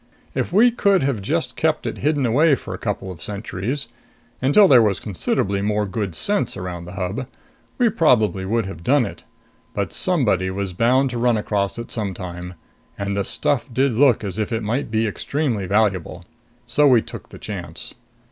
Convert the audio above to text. If we could have just kept it hidden away for a couple of centuries until there was considerably more good sense around the Hub we probably would have done it. But somebody was bound to run across it sometime. And the stuff did look as if it might be extremely valuable. So we took the chance."